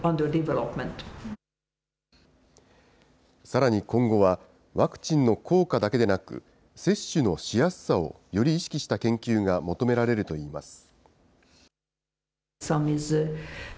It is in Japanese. さらに今後は、ワクチンの効果だけでなく、接種のしやすさをより意識した研究が求められるといいます。